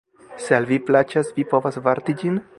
Se al vi plaĉas, vi povas varti ĝin?